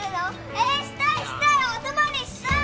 えしたいしたいお泊まりしたい！